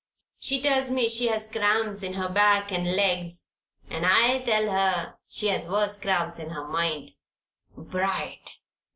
She tells me she has cramps in her back and legs and I tell her she has worse cramps in her mind. Bright!